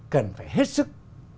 cần phải hết sức